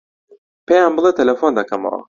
پێیان بڵێ تەلەفۆن دەکەمەوە.